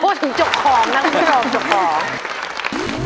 พูดถึงจบของนั่งพูดถึงจบของ